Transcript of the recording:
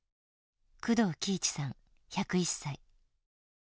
工藤喜一さん１０１歳。